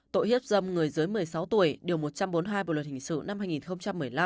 tội hiếp dâm người dưới một mươi sáu tuổi điều một trăm bốn mươi hai bộ luật hình sự năm hai nghìn một mươi năm